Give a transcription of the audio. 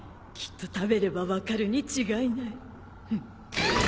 きっと食べれば分かるに違いない。